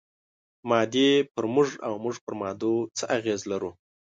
مادې پر موږ او موږ پر مادو څه اغېز لرو؟